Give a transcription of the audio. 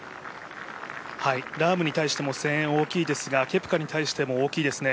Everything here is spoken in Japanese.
ラームに対しても声援は大きいですが、ケプカに対しても大きいですね。